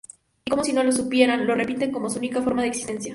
Y como si no lo supieran, lo repiten como su única forma de existencia.